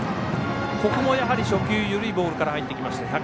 ここも、やはり初球緩いボールから入ってきました。